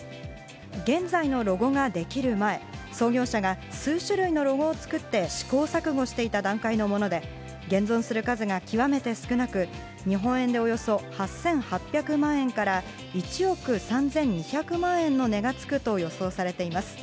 現在のロゴができる前、創業者が数種類のロゴを作って試行錯誤していた段階のもので、現存する数が極めて少なく、日本円でおよそ８８００万円から１億３２００万円の値がつくと予想されています。